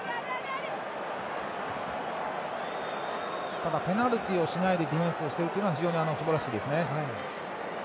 ただ、ペナルティーをしないでディフェンスしているのは非常にすばらしいですね。